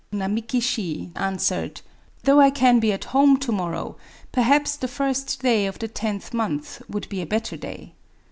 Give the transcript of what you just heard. " [Namaki Shi answered :— 1 ^^ Though I can be at home to morrow, perhaps the first day of the tenth month would be a better day."